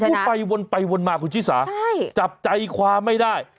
พูดไปวนไปวนมาคุณชิสาจับใจความไม่ได้